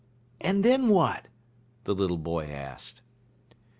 "And then what?" the little boy asked.